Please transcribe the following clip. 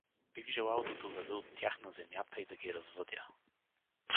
Бих желал да доведа от тях на Земята и да ги развъдя.